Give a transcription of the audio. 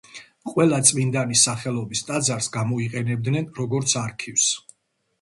ყველა წმინდანის სახელობის ტაძარს გამოიყენებდნენ როგორც არქივს.